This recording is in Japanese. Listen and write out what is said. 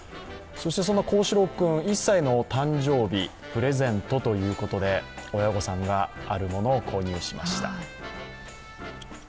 そんな恒士郎君、１歳の誕生日、プレゼントということで親御さんが、あるものを購入しました。